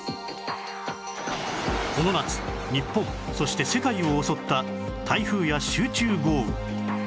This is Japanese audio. この夏日本そして世界を襲った台風や集中豪雨